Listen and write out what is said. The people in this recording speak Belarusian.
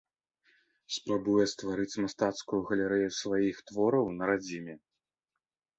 Спрабуе стварыць мастацкую галерэю сваіх твораў на радзіме.